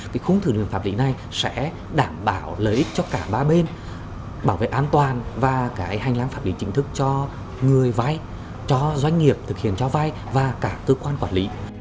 cái khung thử nghiệm phạm lý này sẽ đảm bảo lợi ích cho cả ba bên bảo vệ an toàn và hành lãm phạm lý chính thức cho người vay cho doanh nghiệp thực hiện cho vay và cả tư quan quản lý